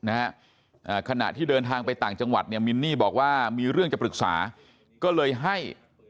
นะฮะอ่าขณะที่เดินทางไปต่างจังหวัดเนี่ยมินนี่บอกว่ามีเรื่องจะปรึกษาก็เลยให้